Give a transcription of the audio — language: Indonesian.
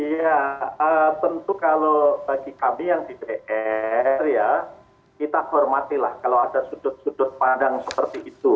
ya tentu kalau bagi kami yang dpr ya kita hormatilah kalau ada sudut sudut pandang seperti itu